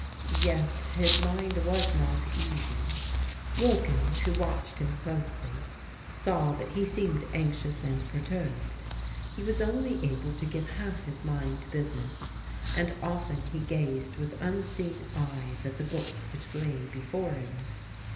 Yet his mind was not easy. Wllkins^ who watched him closely, saw that he seemed anxious and perturbed. He was only able to give half his mind to busLoess, and often he gazed with tmseeing eyes at the books whidi lay before him.